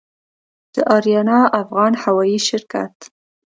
د آریانا افغان هوايي شرکت